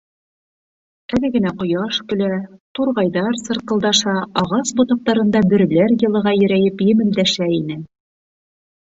Әле генә ҡояш көлә, турғайҙар сырҡылдаша, ағас ботаҡтарында бөрөләр йылыға ирәйеп емелдәшә ине.